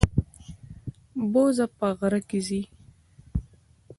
بوزه په غره کې ځي.